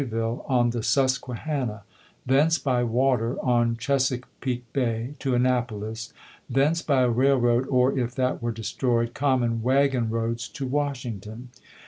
ville on the Susquehanna; thence by water on Chesapeake Bay to Annapolis ; thence by railroad, or, if that were destroyed, common wagon roads to Washington.